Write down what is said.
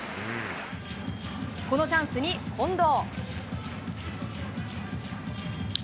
このチャンスに近藤。